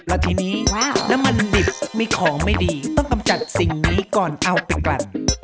แล้วทีนี้น้ำมันดิบมีของไม่ดีต้องกำจัดสิ่งนี้ก่อนเอาไปกลัด